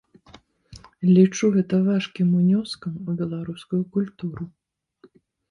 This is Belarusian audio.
Лічу гэта важкім унёскам у беларускую культуру.